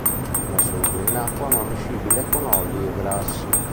Non è solubile in acqua, ma miscibile con oli e grassi.